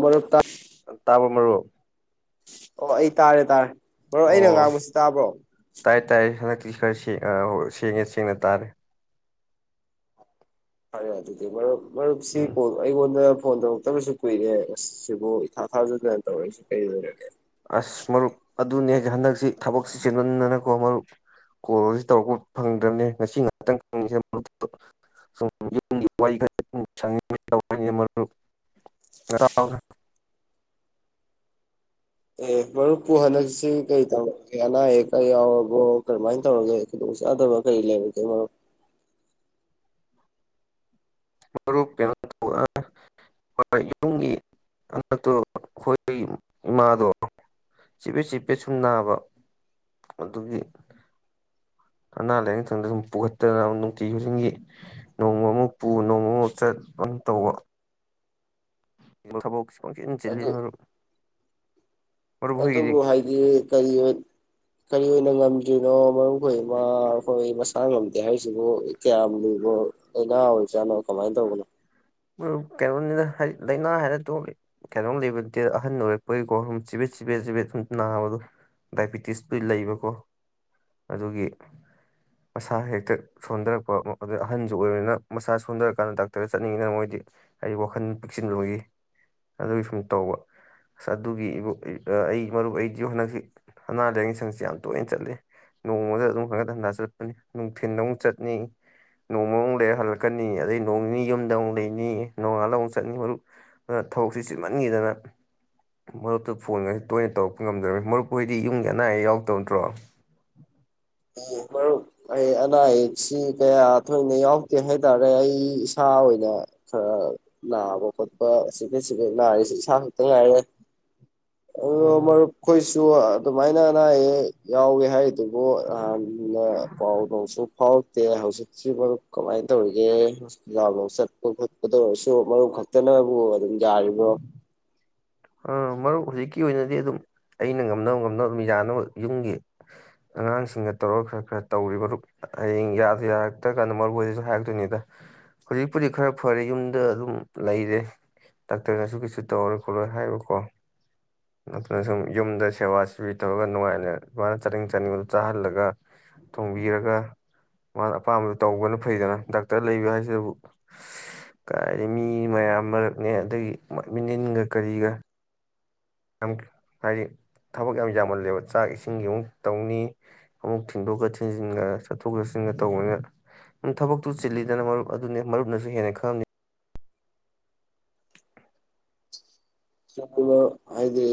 ꯃꯔꯛ ꯇ ꯇꯥꯕ ꯃꯔꯨꯞ ꯑꯣ ꯑꯩ ꯇꯥꯔꯦ ꯇꯥꯔꯦ ꯃꯔꯨ ꯑꯩꯅ ꯑꯣ ꯉꯥꯡꯕꯁꯤ ꯇꯥꯕ꯭ꯔꯣ ꯇꯥꯏ ꯇꯥꯏ ꯍꯟꯗꯛꯇꯤ ꯈꯔ ꯁꯦꯡ ꯑ ꯑꯣ ꯁꯦꯡꯉꯦ ꯁꯦꯡꯅ ꯇꯥꯔꯦ ꯐꯔꯦ ꯑꯗꯨꯗꯤ ꯃꯔꯨꯞ ꯃꯔꯨꯞꯁꯤ ꯎꯝ ꯀꯣ ꯑꯩꯉꯣꯟꯗ ꯐꯣꯟ ꯇꯧꯔꯛ ꯇꯕꯁꯨ ꯀꯨꯏꯔꯦ ꯑꯁ ꯁꯤꯕꯨ ꯏꯊꯥ ꯊꯥꯖꯗꯅ ꯇꯧꯔꯛꯏꯁꯦ ꯀꯩ ꯂꯩꯔꯒꯦ ꯑꯁ ꯃꯔꯨꯞ ꯑꯗꯨꯅꯦ ꯍꯟꯗꯛꯁꯤ ꯊꯕꯛꯁꯤ ꯆꯤꯟꯃꯟꯕꯅꯀꯣ ꯃꯔꯨꯞ ꯀꯣꯜꯁꯤ ꯇꯧꯔꯛꯄ ꯐꯪꯗ꯭ꯔꯕꯅꯦ ꯉꯁꯤ ꯉꯥꯛꯇꯪꯪ [unintelligible] [unintelligible] ꯑꯦ ꯃꯔꯨꯞꯄꯨ ꯍꯟꯗꯛꯁꯤ ꯀꯩ ꯇꯧꯔꯒꯦ ꯑꯅꯥ ꯑꯌꯦꯛꯀ ꯌꯥꯎꯔꯕꯣ ꯀꯔꯝꯍꯥꯏꯅ ꯇꯧꯔꯒꯦ ꯈꯨꯗ‌ꯣꯡ ꯆꯥꯗꯕ ꯀꯩ ꯂꯩꯔꯒꯦ ꯃꯔꯨꯞ ꯃꯔꯨꯞ ꯀꯩꯅꯣ ꯇꯧꯕ [unintelligible] ꯌꯨꯝꯒꯤ ꯍꯅꯠꯇꯣ ꯑꯈꯣꯏ ꯏꯃꯥꯗꯣ ꯆꯤꯞꯄꯦ ꯆꯤꯞꯄꯦ ꯁꯨꯝ ꯅꯥꯕ ꯑꯗꯨꯒꯤ ꯑꯅꯥ ꯂꯥꯏꯌꯦꯡꯊꯪꯗ ꯁꯨꯝ ꯄꯨꯈꯠꯇꯅ ꯅꯨꯡꯇꯤ ꯈꯨꯗꯤꯡꯒꯤ ꯅꯣꯡꯃꯃꯨꯛ ꯄꯨ ꯅꯣꯡꯃꯃꯨꯛ ꯆꯠ ꯇꯧꯕ ꯊꯕꯛ ꯄꯪ ꯆꯤꯟ ꯑꯗꯨ ꯆꯤꯜꯂ‌ꯦꯅ‌ꯦ ꯃꯔꯨꯞ ꯃꯔꯨꯞ ꯍꯣꯏꯒꯤꯗꯤ ꯑꯗꯨꯕꯨ ꯍꯥꯏꯗꯤ ꯀꯔꯤ ꯑꯣꯏ ꯀꯔꯤ ꯑꯣꯏꯅ ꯉꯝꯗ꯭ꯔꯤꯅꯣ ꯃꯔꯨꯞ ꯈꯣꯏ ꯏꯃꯥ ꯈꯣꯏ ꯃꯁꯥ ꯉꯝꯗꯦ ꯍꯥꯏꯔꯤꯁꯤꯕꯨ ꯀꯌꯥꯝ ꯂꯨꯕ [unintelligible] ꯑꯣꯏ ꯆꯅꯣ ꯀꯃꯥꯏꯅ ꯇꯧꯕꯅꯣ ꯃꯔꯨꯞ ꯀꯩꯅꯣꯅꯤꯗ ꯂꯥꯏꯅꯥ ꯍꯥꯏꯔ ꯇꯣꯛꯈꯤ ꯀꯩꯅꯣꯝ ꯂꯩꯕ ꯅꯠꯇꯦ ꯑꯍꯟ ꯑꯣꯏꯔꯛꯄꯒꯤꯀꯣ ꯆꯤꯕꯦꯠ ꯆꯤꯄꯦꯠ ꯆꯤꯄꯦꯠ ꯑꯗꯨ ꯅꯥꯕꯗꯣ ꯗꯥꯏꯕꯤꯇꯤꯁꯇꯤ ꯂꯩꯕꯀꯣ ꯑꯗꯨꯒꯤ [inaudible] ꯃꯁꯥ ꯍꯦꯛꯇ ꯁꯣꯟꯊꯔꯛꯄ ꯑꯗꯨ ꯑꯍꯟꯁꯨ ꯑꯣꯏꯕꯅꯤꯅ ꯃꯁꯥ ꯁꯣꯟꯊꯔꯀꯥꯟꯗ ꯗꯥꯛꯇꯔꯗ ꯆꯠꯅꯤꯡꯉꯤꯅ ꯃꯣꯏ ꯍꯥꯏꯗꯤ ꯍꯥꯏꯗꯤ ꯋꯥꯈꯜ ꯄꯤꯛꯁꯤꯜꯂꯣꯏꯒꯤ ꯑꯗꯨꯒꯤ ꯁꯨꯝ ꯇꯧꯕ ꯑꯁ ꯑꯗꯨꯒꯤꯕꯨ ꯑꯩ ꯃꯔꯨꯞ ꯑꯩꯗꯤ ꯍꯟꯗꯛꯁꯤ ꯑꯅꯥ ꯂꯥꯏꯌꯦꯡ ꯁꯪꯁꯤ ꯌꯥꯝ ꯇꯣꯏꯅ ꯆꯠꯂꯤ ꯅꯣꯡꯃꯗ ꯑꯗꯨꯝ ꯈꯔꯒ ꯊꯟꯊ ꯆꯠꯄꯅꯤ ꯅꯨꯡꯊꯤꯟꯗ ꯑꯃꯨꯛ ꯆꯠꯅꯤ ꯅꯣꯡꯃ ꯑꯃꯨꯛ ꯂꯩꯔ ꯍꯜꯂꯛꯀꯅꯤ ꯑꯗꯩ ꯅꯣꯡ ꯅꯤ ꯌꯨꯝꯗ ꯂꯩꯅꯤ ꯅꯤ ꯅꯣꯡꯉꯥꯜꯂ ꯑꯃ ꯆꯠꯅꯤ ꯃꯔꯨꯞ ꯑꯗꯨꯅ ꯊꯕꯛꯁꯤ ꯆꯤꯟꯃꯟꯒꯤꯗꯅ ꯃꯔꯨꯞꯇꯨ ꯐꯣꯟꯒꯁꯤ ꯇꯣꯏꯅ ꯇꯧꯔꯛꯄ ꯉꯝꯗ꯭ꯔꯕꯅꯤ ꯃꯔꯨꯞꯑꯣꯏꯗꯤ ꯌꯨꯝꯒꯤ ꯑꯅꯥ ꯑꯌꯦꯛ ꯌꯥꯎꯇꯕ ꯅꯠꯇ꯭ꯔꯣ ꯑꯣ [unintelligible] ꯑꯩ ꯑꯅꯥ ꯑꯌꯦꯛꯁꯤ ꯀꯌꯥ ꯊꯣꯏꯅ ꯌꯥꯎꯗꯦ ꯍꯥꯏꯇꯥꯔꯦ ꯑꯩ ꯏꯁꯥ ꯑꯣꯏꯅ ꯈꯔ ꯅꯥꯕ ꯈꯣꯠꯄ ꯆꯤꯐꯦꯠ ꯆꯤꯐꯦꯠ ꯅꯥꯔꯤꯁꯤ ꯏꯁꯥ ꯈꯛꯇ ꯉꯥꯏꯔꯦ ꯑꯣ ꯎꯝ ꯃꯔꯨꯞ ꯑꯈꯣꯏꯁꯨ ꯑꯗꯨꯃꯥꯏꯅ ꯑꯅꯥ ꯑꯌꯦꯛ ꯌꯥꯎꯋꯦ ꯍꯥꯏꯔꯤꯗꯨꯕꯨ ꯅꯍꯥꯟꯅ ꯄꯥꯎ ꯅꯨꯡꯁꯨ ꯍꯥꯎꯇꯦ ꯍꯧꯖꯤꯛꯁꯤ ꯃꯔꯨꯞ ꯀꯃꯥꯏꯅ ꯇꯧꯔꯤꯒꯦ ꯂ ꯆꯠꯄ ꯈꯣꯠꯄꯗ ꯑꯣꯏꯔꯁꯨ ꯃꯔꯨꯞ ꯈꯛꯇꯅꯕꯨ ꯑꯗꯨꯝ ꯌꯥꯔꯤꯕ꯭ꯔꯣ ꯑꯥ ꯃꯔꯨꯞ ꯍꯧꯖꯤꯛꯀꯤ ꯑꯣꯏꯅꯗꯤ ꯑꯗꯨꯝ ꯑꯩꯅ ꯉꯝꯅꯕ ꯉꯝꯅꯕ ꯑꯗꯨꯝ ꯌꯥꯅꯕ ꯌꯨꯝꯒꯤ ꯑꯉꯥꯡꯁꯤꯡꯅ ꯇꯧꯔꯒ ꯈꯔ ꯈꯔ ꯇꯧꯔꯤ ꯃꯔꯨꯞ ꯍꯌꯦꯡ ꯌꯥꯗ ꯌꯥꯔꯛꯇ꯭ꯔ ꯀꯥꯟꯗ ꯃꯔꯨꯞ ꯑꯣꯏꯗꯁꯨ ꯍꯥꯏꯔꯛꯇꯣꯏꯅꯤꯗ ꯍꯧꯖꯤꯛꯄꯨꯗꯤ ꯈꯔ ꯐꯔꯦ ꯌꯨꯝꯗ ꯑꯗꯨꯝ ꯂꯩꯔꯦ ꯗꯥꯛꯇꯔꯅꯁꯨ ꯀꯩꯁꯨ ꯇꯧꯔꯔꯣꯢ ꯈꯣꯠꯂꯔꯣꯢ ꯍꯥꯏꯌꯦꯕꯀꯣ [inaudible] ꯑꯗꯨꯠꯇꯅ ꯁꯨꯝ ꯌꯨꯝꯗ ꯁꯦꯕꯥ ꯁꯦꯕꯤ ꯇꯧꯔꯒ ꯅꯨꯡꯉꯥꯏꯅ ꯃꯥꯅ ꯆꯥꯅꯤꯡ ꯆꯥꯅꯤꯡꯕꯗꯨ ꯆꯥꯍꯜꯂꯒ ꯊꯣꯡꯕꯤꯔꯒ ꯃꯥꯅ ꯑꯄꯥꯝꯕꯗꯨ ꯇꯧꯕꯅ ꯐꯩꯗꯅ ꯗꯥꯛꯇꯔ ꯂꯩꯕ ꯍꯥꯏꯁꯤꯗꯕꯨ ꯀꯥꯏꯗꯩ ꯃꯤ ꯃꯌꯥꯝ ꯃꯔꯛꯅꯦ ꯑꯗꯒꯤ ꯃꯤꯅꯤꯜꯒ ꯀꯔꯤꯒ ꯌꯥꯝ ꯍꯥꯏꯗꯤ ꯊꯕꯛ ꯌꯥꯝ ꯌꯥꯝꯃꯜꯂꯦꯕ ꯆꯥꯛ ꯏꯁꯤꯡꯒꯤ ꯑꯃꯨꯛ ꯇꯧꯅꯤ ꯑꯃꯨꯛ ꯊꯤꯟꯗꯣꯛꯀ ꯊꯤꯟꯖꯤꯟꯒ ꯆꯠꯊꯣꯛ ꯆꯠꯁꯤꯟꯒ ꯇꯧꯕꯅꯤꯅ ꯊꯕꯛꯇꯨ ꯆꯤꯜꯂꯤꯗꯅ ꯃꯔꯨꯞ ꯑꯗꯨꯅꯤ ꯃꯔꯨꯞꯅꯁꯨ ꯍꯦꯟꯅ ꯈꯪꯉꯝꯅꯤ ꯆ ꯍꯥꯏꯗꯤ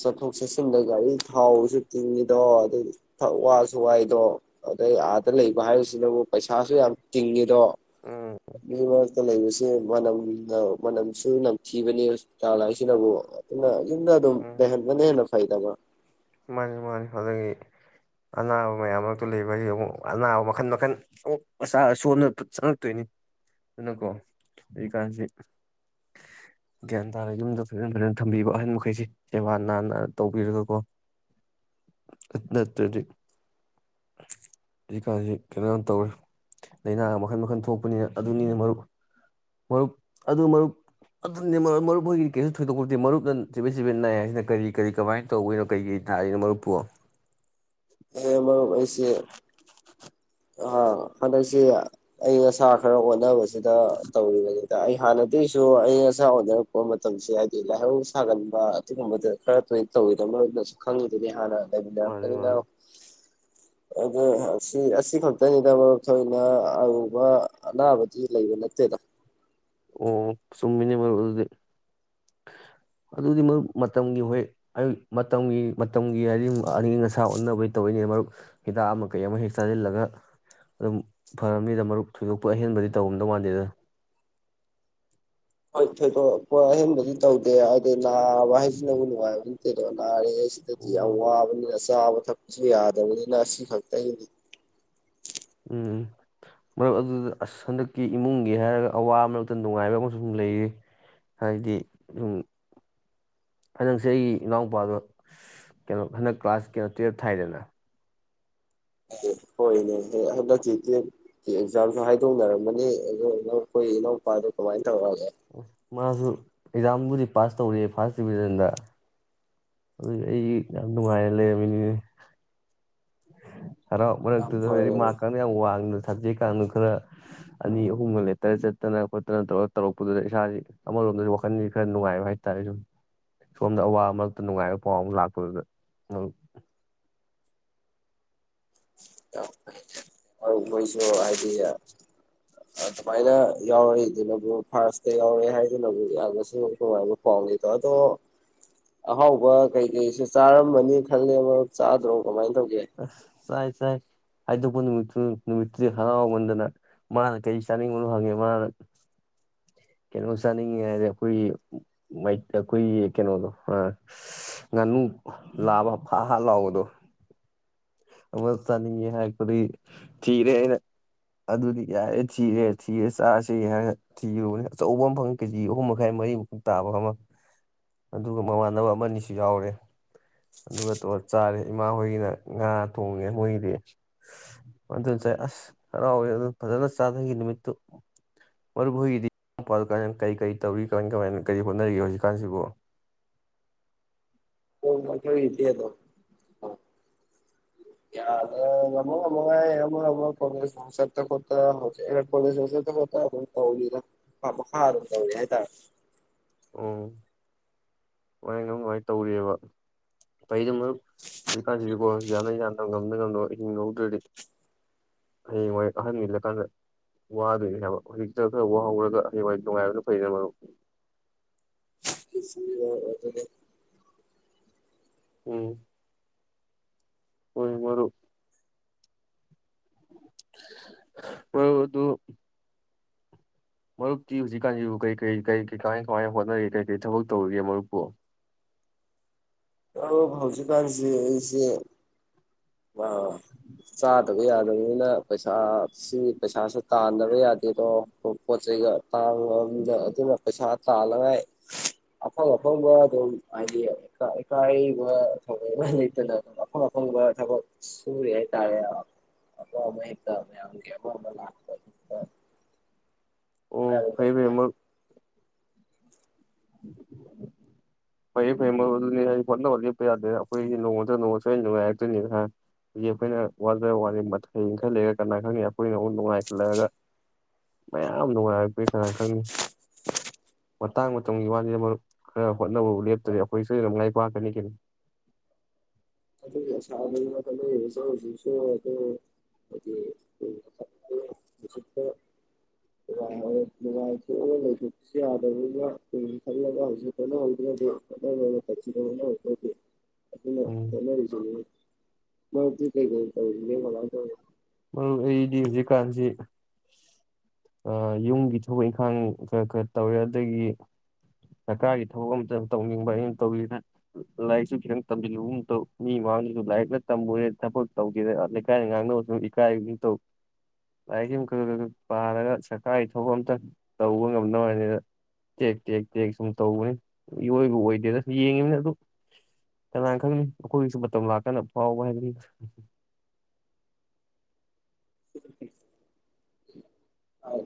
ꯆꯠꯊꯣꯛ ꯆꯠꯁꯤꯟꯗ ꯒꯥꯔꯤ ꯊꯥꯎꯁꯨ ꯇꯤꯡꯉꯤꯗꯣ ꯑꯗꯨꯗꯤ ꯊꯛ ꯋꯥꯁꯨ ꯋꯥꯏꯗꯣ ꯑꯗꯩ ꯑꯥꯗ ꯂꯩꯕ ꯍꯥꯏꯔꯤꯁꯤꯅꯕꯨ ꯄꯩꯁꯥꯁꯨ ꯌꯥꯝ ꯇꯤꯡꯉꯤꯗꯣ ꯎꯝ ꯑꯗꯨꯅ ꯂꯩꯕꯁꯦ ꯃꯅꯝꯅ ꯃꯅꯝꯁꯨ ꯅꯝꯊꯤꯕꯅꯤ ꯍꯣꯁꯄꯤꯇꯥꯜ ꯍꯥꯢꯁꯤꯅꯕꯨ ꯑꯗꯨ ꯌꯨꯝꯗ ꯑꯗꯨꯝ ꯎꯝ ꯂꯩꯍꯟꯕꯅ ꯍꯦꯟꯅ ꯐꯩꯗ ꯃꯥꯅꯤ ꯃꯥꯅꯤ ꯑꯗꯨꯗꯒꯤ ꯑꯅꯥꯕ ꯃꯌꯥꯝ ꯃꯔꯛꯇ ꯂꯩꯕ ꯍꯥꯢꯁꯤ ꯑꯅꯥꯕ ꯃꯈꯟ ꯃꯈꯟ ꯑꯣ ꯃꯆꯥ ꯁꯣꯟꯕꯅ ꯆꯪꯉꯛꯇꯣꯏꯅꯤ ꯑꯗꯨꯅꯀꯣ ꯍꯧꯖꯤꯀꯥꯟꯁꯤ ꯒ꯭ꯌꯥꯟ ꯇꯥꯅ ꯌꯨꯝꯗ ꯐꯖꯅ ꯐꯖꯅ ꯊꯝꯕꯤꯕ ꯑꯍꯟ ꯃꯈꯩꯁꯤ ꯁꯦꯕꯥ ꯅꯥꯟꯅ ꯇꯧꯕꯤꯔꯒꯀꯣ ꯅꯠꯇꯗꯤ ꯍꯧꯖꯤꯀꯥꯟꯁꯤ ꯀꯩꯅꯣ ꯇꯧꯏ ꯂꯥꯏꯅꯥꯒ ꯃꯈꯜ ꯃꯈꯜ ꯊꯣꯛꯄꯅꯤꯅ ꯑꯗꯨꯅꯤꯅꯦ ꯃꯔꯨꯞ ꯃꯔꯨꯞ ꯑꯗꯨ ꯃꯔꯨꯞ ꯑꯗꯨꯅꯤ ꯃꯔꯨꯞ ꯍꯣꯏꯒꯤ ꯀꯩꯁꯨ ꯊꯣꯏꯗꯣꯛꯄꯗꯤ ꯃꯔꯨꯞꯅ ꯆꯤꯕꯦꯠ ꯆꯤꯕꯦꯠ ꯅꯥꯏ ꯍꯥꯏꯁꯤꯅ ꯀꯔꯤ ꯀꯔꯤ ꯀꯃꯥꯏꯅ ꯇꯧꯕꯩꯅꯣ ꯀꯩ [unintelligible] ꯃꯔꯨꯞꯄꯨ ꯑꯦ ꯃꯔꯨꯞ ꯑꯩꯁꯦ ꯑꯥ ꯍꯟꯗꯛꯁꯦ ꯑꯌꯪ ꯑꯁꯥ ꯈꯔ ꯑꯣꯟꯅꯕꯁꯤꯗ ꯇꯧꯔꯤꯕꯅꯤꯗ ꯑꯩ ꯍꯥꯟꯅꯗꯒꯤꯁꯨ ꯑꯌꯪ ꯑꯁꯥ ꯑꯣꯟꯅ ꯄ ꯃꯇꯝꯁꯦ ꯍꯥꯏꯗꯤ ꯂꯥꯏꯍꯧ ꯁꯥꯒꯟꯕ ꯑꯗꯨꯒꯨꯝꯕꯗ ꯈꯔ ꯊꯣꯏꯅ ꯇꯧꯋꯤꯗꯅ ꯃꯔꯨꯞꯅꯁꯨ ꯈꯪꯉꯤꯗꯨꯅꯤ ꯍꯥꯟꯅ ꯃꯥꯅꯦ ꯃꯥꯅꯦ [unintelligible] ꯑ ꯑꯁꯤ ꯑꯁꯤ ꯈꯛꯇꯅꯤꯗ ꯃꯔꯨꯞ ꯊꯣꯏꯅ ꯑꯔꯨꯕ ꯑꯅꯥꯕꯗꯤ ꯂꯩꯕ ꯅꯠꯇꯦꯗ ꯑꯣ ꯆꯨꯝꯃꯤꯅꯦ ꯃꯔꯨꯞ ꯑꯗꯨꯗꯤ [inaudible] ꯑꯗꯨꯗꯤ ꯃꯔꯨꯞ ꯃꯇꯝꯒꯤ ꯍꯣꯏ ꯑꯌꯨꯛ ꯃꯇꯝꯒꯤ ꯃꯇꯝꯒꯤ ꯍꯥꯏꯗꯤ ꯑꯏꯪ ꯑꯁꯥ ꯎꯟꯅꯕꯩ ꯇꯧꯔꯛꯏꯅꯤ ꯃꯔꯨꯞ ꯍꯤꯗꯥꯛ ꯑꯃ ꯀꯩ ꯑꯃ ꯍꯦꯛ ꯆꯥꯁꯤꯜꯂꯒ ꯑꯗꯨꯝ ꯐꯔꯝꯅꯤꯗ ꯃꯔꯨꯞ ꯊꯣꯏꯗꯣꯛꯄ ꯑꯍꯦꯟꯕꯗꯤ ꯇꯧꯔꯝꯗꯧ ꯃꯥꯟꯗꯦꯗꯅ ꯍꯣꯏ ꯊꯣꯏꯗꯣꯛꯣꯏ ꯑꯍꯦꯟꯕꯗꯤ ꯇꯧꯗꯦ ꯍꯥꯏꯗꯤ ꯅꯥꯕ ꯍꯥꯏꯁꯤꯅꯕꯨ ꯅꯨꯡꯉꯥꯏꯕꯗꯤ ꯊꯣꯏꯗꯣꯛ ꯅꯥꯔꯦ ꯁꯤꯗꯗꯤ ꯌꯥꯝ ꯎꯝ ꯋꯥꯕꯅꯤꯅ ꯆꯥꯕ ꯊꯛꯄꯁꯨ ꯌꯥꯗꯕꯅꯤꯅ ꯑꯁꯤꯈꯛꯇꯒꯤꯅꯤ꯫ ꯎꯝ꯫ ꯃꯔꯨꯞ ꯑꯗꯨꯗ ꯑꯁ ꯍꯟꯗꯛꯀꯤ ꯏꯃꯨꯡꯒꯤ ꯍꯥꯏꯔꯒ ꯑꯋꯥ ꯃꯔꯛꯇ ꯅꯨꯡꯉꯥꯏꯕ ꯑꯃꯁꯨ ꯁꯨꯝ ꯂꯩꯌꯦ꯫ ꯍꯥꯏꯗꯤ ꯑꯗꯨꯨꯝ꯫ ꯍꯟꯗꯛꯁꯦ ꯑꯩꯒꯤ ꯏꯅꯥꯎꯅꯄꯥꯗꯣ ꯀꯩꯅꯣ ꯍꯟꯗꯛ ꯀ꯭ꯂꯥꯁ ꯀꯩꯅꯣ ꯇꯨꯌꯦꯞ ꯊꯥꯏꯗꯅ꯫ [unintelligible] ꯍꯣꯏꯅꯦ ꯑꯗꯨ ꯍꯟꯗꯇꯤ ꯇꯨꯌꯦꯞ ꯀꯤ ꯑꯦꯛꯖꯥꯝꯁꯨ ꯍꯥꯏꯗꯣꯛꯅꯔꯝꯃꯅꯤ ꯑꯗꯣ ꯏꯅꯧ ꯑꯩꯈꯣꯏ ꯏꯅꯥꯎꯄꯥꯗꯣ ꯀꯃꯥꯏꯅ ꯇꯧꯔꯛꯑꯒꯦ꯫ ꯃꯥꯖꯨ ꯑꯦꯛꯖꯥꯝꯕꯨꯗꯤ ꯄꯥꯁ ꯇꯧꯔꯛꯑꯦ ꯐꯥꯔꯁ ꯗꯤꯕꯤꯖꯟꯗ꯫ ꯑꯗꯨ ꯑꯩ ꯌꯥꯝ ꯅꯨꯡꯉꯥꯏꯔ ꯂꯩꯔꯝꯃꯤꯅꯤꯅꯦ꯫ ꯍꯔꯥꯎ ꯌꯥꯝ ꯃꯔꯛꯇꯨꯗ ꯍꯧꯗꯤ ꯐꯔꯕꯅꯤ ꯃꯥꯔꯛꯀꯅ ꯌꯥꯝ ꯋꯥꯡꯅ ꯁꯞꯖꯦꯛꯀꯥꯅꯨ ꯈꯔ ꯑꯅꯤ ꯑꯍꯨꯝꯒ ꯂꯦꯇꯔ ꯆꯠꯇꯅ ꯈꯣꯠꯇꯅ ꯇꯧꯔꯒ ꯇꯧꯔꯛꯄꯗꯨꯗ ꯏꯁꯥꯖꯤ ꯑꯃꯔꯣꯝꯗꯗꯤ ꯋꯥꯈꯜꯖꯤ ꯈꯔ ꯅꯨꯡꯉꯥꯏꯕ ꯍꯥꯏꯇꯥꯔꯦ ꯁꯨꯝ ꯁꯣꯝꯗ ꯑꯋꯥꯕꯃꯛ ꯇ ꯅꯨꯡꯉꯥꯏꯕ ꯄꯥꯎ ꯑꯃ ꯂꯥꯛꯄꯗꯨꯗ꯫ [unintelligible] ꯑꯧ ꯅꯣꯏꯖꯨ ꯍꯥꯏꯗꯤ ꯑꯗꯨꯃꯥꯏꯅ ꯌꯥꯎꯔꯛꯏꯗꯨꯅꯕꯨ ꯐꯥꯔꯁꯇ ꯌꯥꯎꯔꯛꯑꯦ ꯍꯥꯏꯗꯨꯅꯕꯨ ꯌꯥꯝꯅꯁꯨꯉꯥꯏꯕꯨ꯫ ꯄꯥꯎꯂꯤ ꯇꯥꯇꯣ꯫ ꯑꯍꯥꯎꯕ ꯀꯩꯀꯩꯁꯦ ꯆꯥꯔꯝꯃꯅꯤ ꯈꯜꯂꯦꯕ ꯆꯥꯗ꯭ꯔꯣ ꯀꯃꯥꯏꯅ ꯇꯧꯒꯦ꯫ ꯑꯁ ꯆꯥꯏ ꯆꯥꯏ ꯍꯥꯏꯗꯣꯛꯄ ꯅꯨꯃꯤꯠꯇꯨ ꯅꯨꯃꯤꯠꯇꯨꯗꯤ ꯍꯔꯥꯎꯃꯟꯗꯅ꯫ ꯃꯥꯅ ꯀꯩ ꯆꯥꯅꯤꯡꯕꯅꯣ ꯍꯪꯉꯦ ꯃꯥꯅ ꯀꯩꯅꯣ ꯆꯥꯅꯤꯡꯉꯤ ꯍꯥꯏꯔꯦ ꯑꯩꯈꯣꯏꯒꯤ ꯃꯩ ꯑꯩꯈꯣꯏꯒꯤ ꯀꯩꯅꯣꯗꯣ ꯑ ꯉꯥꯅꯨ ꯂꯥꯕ ꯐꯥ ꯍꯥ ꯍꯥ ꯂꯥꯎꯕꯗꯣ꯫ ꯑꯃ ꯆꯥꯅꯤꯡꯉꯤ ꯍꯥꯏꯔꯛꯄꯗꯒꯤ ꯊꯤꯔꯦ ꯑꯩꯅ꯫ ꯑꯗꯨꯗꯤ ꯌꯥꯔꯦ ꯊꯤꯔꯦ ꯊꯤꯔ ꯆꯥꯔꯁꯤ ꯍꯥꯏꯔ ꯊꯤꯔꯨꯕꯅꯦ ꯑꯆꯧꯕ ꯑꯃ ꯐꯪꯉꯤ ꯀꯦꯖꯤ ꯑꯍꯨꯝ ꯃꯈꯥꯏ ꯃꯔꯤꯃꯨꯛ ꯇꯥꯕ ꯑꯃ ꯑꯗꯨꯒ ꯃꯃꯥꯟꯅꯕ ꯑꯃꯅꯤꯁꯨ ꯌꯥꯎꯔꯦ꯫ ꯑꯗꯨꯒ ꯇꯧꯔ ꯆꯥꯔꯦ ꯏꯃꯥ ꯍꯣꯏꯒꯤꯅ ꯉꯥ ꯊꯣꯡꯉꯦ ꯃꯣꯏꯒꯤꯗꯤ꯫ [unintelligible] ꯆꯥꯏ ꯑꯁ ꯍꯔꯥꯎꯋꯦ ꯑꯗꯨ ꯐꯖꯅ ꯆꯥꯊꯈꯤ ꯅꯨꯃꯤꯠꯇꯨ꯫ ꯃꯔꯨꯞ ꯍꯣꯏꯒꯤꯗꯤ [unintelligible] ꯀꯩꯀꯩ ꯇꯧꯔꯤ ꯀꯃꯥꯏ ꯀꯃꯥꯏꯅ ꯀꯔꯤ ꯍꯣꯠꯅꯔꯤꯒꯦ ꯍꯧꯖꯤꯛꯀꯥꯟꯖꯤꯕꯣ꯫ [unintelligible] [unintelligible] ꯆꯠꯇꯅ ꯈꯣꯠꯇꯅ [unintelligible] ꯃꯥ ꯃꯈꯥ ꯑꯗꯨꯝ ꯇꯧꯔꯤ ꯍꯥꯏ ꯇꯥꯔꯦ꯫ ꯑꯣ ꯃꯥꯏꯅ ꯑꯗꯨꯃꯥꯏꯅ ꯇꯧꯔꯤꯑꯕ꯫ ꯐꯩꯗ ꯃꯔꯨꯞ ꯍꯧꯖꯤꯛꯀꯥꯟꯖꯤꯗꯤꯀꯣ ꯌꯥꯅ ꯌꯥꯅꯕ ꯉꯝꯅ ꯉꯝꯅꯕ ꯍꯤꯡ ꯍꯧꯗ꯭ꯔꯗꯤ ꯍꯌꯦꯡ ꯋꯥꯏ ꯑꯍꯟ ꯃꯤꯜꯂꯀꯥꯟꯗ ꯋꯥꯗꯣꯏꯅꯦ ꯍꯥꯏꯕ ꯍꯧꯖꯤꯛꯇ ꯈꯔ ꯋꯥ ꯍꯧꯔꯒ ꯍꯌꯦꯡ ꯋꯥꯏ ꯅꯨꯡꯉꯥꯏꯕꯗꯣ ꯐꯩꯗꯅ ꯃꯔꯨꯞ꯫ [unintelligible] ꯑꯣꯏꯕꯒꯤ ꯎꯝ꯫ ꯍꯣꯏ ꯃꯔꯨꯞ꯫ ꯃꯔꯨꯞ ꯑꯗꯨ ꯃꯔꯨꯞꯇꯤ ꯍꯧꯖꯤꯛꯀꯥꯟꯖꯤꯕꯨ ꯀꯔꯤ ꯀꯔꯤ ꯀꯔꯤ ꯀꯩ ꯀꯃꯥꯏ ꯀꯃꯥꯏꯅ ꯍꯣꯠꯅꯔꯤ ꯀꯩ ꯀꯩ ꯊꯕꯛ ꯇꯧꯔꯤꯒꯦ ꯃꯔꯨꯞꯄꯣ꯫ ꯑꯧ ꯍꯧꯖꯤꯛ ꯀꯥꯟꯖꯦ ꯑꯩꯖꯦ ꯑ ꯆꯥꯗꯕ ꯌꯥꯗꯕꯅꯤꯅ ꯄꯩꯁꯥ ꯁꯤ ꯄꯩꯁꯥꯁꯦ ꯇꯥꯟꯗꯕ ꯌꯥꯗꯦꯗꯣ ꯄꯣꯠ ꯆꯩꯩꯒ [unintelligible] ꯑꯗꯨꯅ ꯄꯩꯁ ꯇꯜꯂꯥ ꯉꯥꯏ ꯑꯐꯪ ꯑꯐꯪꯕ ꯑꯗꯨꯝ ꯍꯥꯏꯗꯤ [unintelligible] ꯏꯀꯥꯏꯕ ꯍꯪꯒꯣꯏꯕ ꯂꯩꯇꯅ ꯑꯐꯪ ꯑꯐꯪꯕ ꯊꯕꯛ ꯁꯨꯔꯤ ꯍꯥꯏꯇꯥꯔꯦ꯫ ꯑꯃ ꯑꯃ ꯍꯦꯛꯇ ꯃꯌꯥꯝꯒꯤ ꯑꯃ ꯑꯃ ꯂꯥꯛꯄ [unintelligible] ꯑꯣ ꯏꯀꯥꯏꯕ ꯐꯩ ꯂꯩꯇꯦ꯫ ꯐꯩ ꯃꯔꯨꯞ [unintelligible] ꯐꯩꯌꯦ ꯐꯩꯌꯦ ꯑꯗꯨꯗꯤ ꯃꯔꯨꯞ ꯍꯣꯠꯅꯕ ꯂꯦꯞꯄ ꯌꯥꯗꯦ ꯑꯩꯈꯣꯏꯒꯤ ꯅꯣꯡꯃ ꯅꯠꯇꯔꯒ ꯅꯣꯡꯃ ꯁꯣꯏꯗꯅ ꯅꯨꯡꯉꯥꯏꯔꯛꯇꯣꯏꯅꯤꯗꯅ ꯍꯧꯖꯤꯛ ꯑꯩꯈꯣꯏꯅ ꯋꯥꯖꯥꯕ ꯋꯥꯅꯤ ꯃꯊꯪ ꯈꯔ ꯂꯩꯔꯒꯥ ꯀꯅꯥ ꯈꯪꯅꯤ ꯑꯩꯈꯣꯏꯅ ꯑꯃꯨꯛ ꯅꯨꯡꯉꯥꯏꯈꯠꯂꯒꯥ ꯃꯌꯥꯝ ꯅꯨꯉꯥꯔꯛꯄꯔꯥ ꯀꯅꯥ ꯈꯪꯅꯤ ꯃꯇꯥꯡ ꯃꯇꯝꯒꯤ ꯋꯥꯅꯤꯗꯥ ꯃꯔꯨꯞ ꯈꯔ ꯍꯣꯠꯅꯕꯕꯨ ꯂꯦꯞꯇ꯭ꯔꯗꯤ ꯑꯩꯈꯣꯏ ꯁꯣꯏꯗꯅ ꯃꯥꯏ ꯄꯥꯛꯀꯅꯤ ꯀꯩꯅꯣ ꯑꯗꯨꯒꯤ ꯑꯁꯥꯗꯥꯅꯤ ꯍꯣꯠꯅꯔꯤꯖꯤꯁꯨ ꯍꯧꯖꯤꯛꯁꯨ ꯑꯗꯣ [inaudible] ꯅꯨꯡꯉꯥꯏ ꯅꯨꯡꯉꯥꯏꯊꯣꯛꯑꯒꯥ ꯂꯩꯊꯣꯛꯄꯁꯨ ꯌꯥꯗꯕꯅꯤꯅ ꯇꯨꯡꯒꯤ ꯈꯜꯂꯒꯥ ꯍꯧꯖꯤꯛ ꯍꯣꯠꯅ ꯍꯧꯗ꯭ꯔꯥꯗꯤ [inaudible] ꯑꯗꯨꯅ ꯎꯝ ꯍꯣꯠꯅꯔꯤꯖꯤꯅꯤꯅꯦ ꯃꯔꯨꯞꯇꯤ ꯀꯩ ꯀꯩ ꯇꯧꯔꯤꯒꯦ ꯀꯃꯥꯏ ꯇꯧꯔꯤ ꯃꯔꯨꯞ ꯑꯩꯗꯤ ꯍꯧꯖꯤꯛꯀꯥꯟꯁꯤ ꯌꯨꯝꯒꯤ ꯊꯕꯛ ꯏꯪꯈꯥꯡ ꯈꯔ ꯈꯔ ꯇꯧꯔꯤ ꯑꯗꯥꯒꯤ ꯁꯔꯀꯥꯔꯒꯤ ꯊꯕꯛ ꯑꯝꯇꯥ ꯇꯧꯅꯤꯡꯕ ꯑꯩꯅ ꯇꯧꯔꯤꯖꯤꯅ ꯂꯥꯏꯔꯤꯛꯁꯨ ꯈꯤꯇꯪ ꯇꯝꯁꯤꯜꯂꯨꯒꯨꯝ ꯇꯧ ꯃꯤ ꯃꯃꯥꯡꯗꯁꯨ ꯂꯥꯏꯔꯤꯛꯅ ꯇꯝꯃꯨꯔꯦ ꯊꯕꯛ ꯇꯧꯒꯦꯗꯤ ꯑꯥ ꯂꯩꯀꯥꯏꯅ ꯉꯥꯡꯅꯕꯗꯣ ꯏꯀꯥꯏꯒꯤ ꯇꯧ ꯂꯥꯏꯔꯤꯛꯁꯤ ꯑꯃꯨꯛ ꯈꯔ ꯈꯔ ꯄꯔꯒꯥ ꯁꯔꯀꯥꯔꯒꯤ ꯊꯕꯛ ꯑꯃꯝꯇꯪ ꯇꯧꯕ ꯉꯝꯅꯕ ꯍꯥꯏꯅꯤꯗ ꯇꯦꯛ ꯇꯦꯛ ꯇꯦꯛ ꯁꯨꯝ ꯇꯧꯕꯅꯤ ꯏꯋꯣꯏꯕꯨ ꯑꯣꯏꯗꯦꯗꯥ ꯁꯨꯝ ꯌꯦꯡꯉꯤꯕꯅꯤ ꯑꯗꯨ ꯀꯅꯥꯅ ꯈꯪꯅꯤ ꯑꯩꯈꯣꯏꯒꯤꯁꯨ ꯃꯇꯝ ꯂꯥꯛꯑꯒꯥ ꯐꯥꯎꯕ ꯍꯥꯏꯗꯨꯅꯤ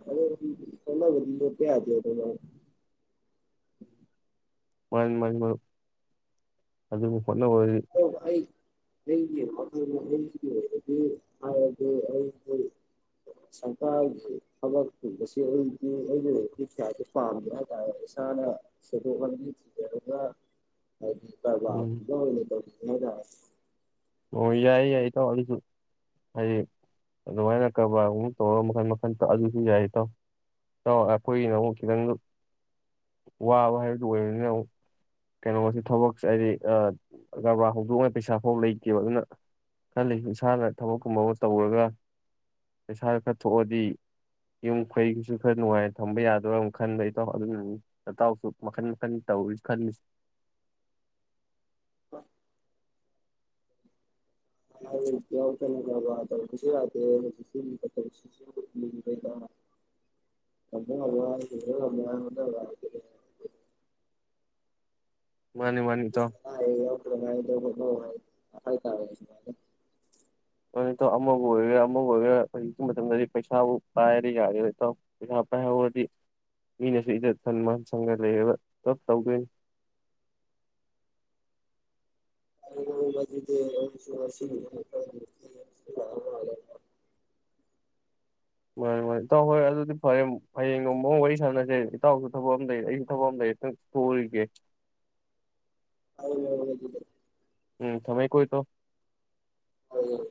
[unintelligible] [inaudible] ꯂꯣꯠꯄꯥ ꯌꯥꯗꯦꯕ ꯃꯅꯤ ꯃꯅꯤ ꯃꯔꯨꯞ ꯑꯗꯨꯕꯨ ꯍꯣꯠꯅꯕ ꯑꯩ [inaudible] ꯑꯣꯏꯔꯥꯗꯤ ꯍꯥꯏꯔꯗꯤ ꯁꯔꯀꯥꯔꯒꯤ ꯊꯕꯛ ꯀꯨꯝꯕꯁꯤ ꯑꯩꯗꯤ ꯑꯩꯒꯤ ꯑꯣꯏꯅꯗꯤ ꯀꯌꯥꯗꯤ ꯄꯥꯝꯗꯦ ꯍꯥꯏꯇꯥꯔꯦ ꯏꯁꯥꯅ ꯁꯦꯟꯊꯣꯛ ꯂꯝꯕꯤ ꯊꯤꯖꯔꯒꯥ ꯍꯥꯏꯗꯤ ꯀꯥꯔꯕꯥꯔ ꯎꯝ ꯒꯨꯝꯕ ꯑꯣꯏꯅ ꯑꯣ ꯌꯥꯏꯌꯦ ꯌꯥꯏꯌꯦ ꯏꯇꯥꯎ ꯑꯗꯨꯁꯨ ꯍꯥꯏꯗꯤ ꯑꯗꯨꯃꯥꯏꯅ ꯀꯔꯕꯥꯔꯒꯨꯝꯕ ꯇꯧꯔꯒꯥ ꯃꯈꯟ ꯃꯈꯟ ꯑꯗꯨꯁꯨ ꯌꯥꯏ ꯏꯇꯥꯎ ꯏꯇꯥꯎ ꯑꯩꯈꯣꯏꯒꯤꯅ ꯑꯃꯨꯛ ꯈꯤꯇꯪ ꯋꯥꯕ ꯍꯥꯏꯕꯗꯨ ꯑꯣꯏꯕꯅꯤꯅ ꯑꯃꯨꯛ ꯀꯩꯅꯣꯁꯤ ꯊꯕꯛꯁꯦ ꯍꯥꯏꯗꯤ ꯑꯥ ꯀꯔꯕꯥꯔ ꯍꯧꯗꯣꯛꯅꯕ ꯄꯩꯁꯥ ꯐꯥꯎꯕ ꯂꯩꯇꯦꯕ ꯑꯗꯨꯅ ꯈꯜꯂꯤꯅꯤ ꯏꯁꯥꯅ ꯊꯕꯛꯀꯨꯝꯕꯃꯥ ꯇꯧꯔꯒꯥ ꯄꯩꯁꯥꯒꯥ ꯈꯔ ꯊꯣꯛꯑꯗꯤ ꯌꯨꯝ ꯀꯩꯒꯤꯁꯨ ꯈꯔ ꯅꯨꯡꯉꯥꯏ ꯊꯝꯕ ꯌꯥꯗꯣꯏꯔꯥ ꯑꯃꯨꯛ ꯈꯟꯕ ꯏꯇꯥꯎ ꯑꯗꯨꯅꯥꯅꯤ ꯅꯇꯥꯎꯁꯨ ꯃꯈꯟ ꯃꯈꯟ ꯇꯧꯏꯒꯦ ꯈꯜꯂꯤ ꯀꯥꯔꯕꯥꯔ ꯇꯧꯕꯁꯨ ꯌꯥꯗꯦ [inaudible] [inaudible] ꯃꯥꯅꯤ ꯃꯥꯅꯤ ꯏꯇꯥꯎ [inaudible] ꯐꯥꯔꯦ ꯏꯇꯥꯎ ꯑꯃꯕꯨ ꯑꯣꯏꯒꯦꯔꯥ ꯑꯃꯕꯨ ꯑꯣꯏꯒꯦꯔꯥ ꯍꯧꯖꯤꯛꯀꯤ ꯃꯇꯝꯗꯥꯗꯤ ꯄꯩꯁꯥꯕꯨ ꯄꯥꯏꯔꯗꯤ ꯌꯥꯔꯦꯗ ꯏꯇꯣꯎ ꯄꯩꯁꯥ ꯄꯥꯏꯍꯧꯔꯗꯤ ꯃꯤꯅꯁꯨ ꯏꯖꯠ ꯁꯟ ꯃꯟ ꯁꯪꯒꯥ ꯂꯩꯔꯒꯥ ꯄꯨꯂꯞ ꯇꯧꯗꯣꯏꯅꯤ [inaudible] ꯃꯥꯅꯤ ꯃꯥꯅꯤ ꯏꯇꯥꯎ ꯍꯣꯏ ꯑꯗꯨꯗꯤ ꯐꯥꯔꯦ ꯑꯃꯨꯛ ꯍꯌꯦꯡ ꯅꯣꯡꯃꯥꯃꯨꯛ ꯋꯥꯔꯤ ꯁꯥꯟꯅꯁꯦ ꯏꯇꯥꯎꯁꯨ ꯊꯕꯛ ꯑꯃ ꯂꯩ ꯑꯩꯁꯨ ꯊꯕꯛ ꯑꯃ ꯂꯩ ꯈꯤꯇꯪ ꯊꯣꯛꯎꯨꯈꯤꯒꯦ [inaudible] ꯎꯝ ꯊꯥꯝꯃꯦꯀꯣ ꯏꯇꯥꯎ ꯍꯣꯏ ꯍꯣꯏ